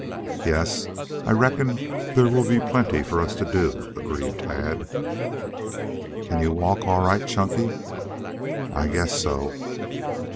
"Yee, I reckon there will be plenty for us to do," agreed Tad. "Can you walk all right, Chunky?" "I guess so."